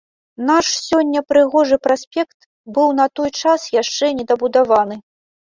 Наш сёння прыгожы праспект быў на той час яшчэ не дабудаваны.